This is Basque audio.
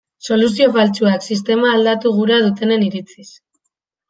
Soluzio faltsuak, sistema aldatu gura dutenen iritziz.